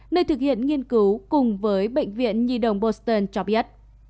nơi thực hiện nghiên cứu cùng với bệnh viện nhi đồng bolston cho biết